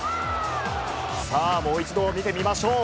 さあ、もう一度見てみましょう。